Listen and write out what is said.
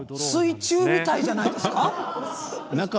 水中みたいじゃないですか。